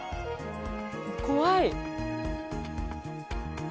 怖い。